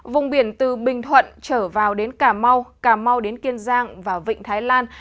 vùng biển từ bình thuận trở vào đến cà mau cà mau đến kiên giang và vịnh thái lan